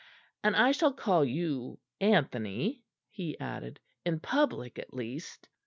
And I shall call you Anthony," he added "in public, at least.